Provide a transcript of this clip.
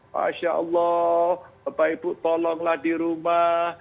masya allah bapak ibu tolonglah di rumah